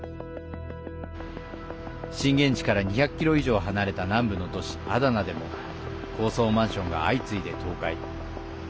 震源地から２００ｋｍ以上離れた南部の都市アダナでも高層マンションが相次いで崩壊。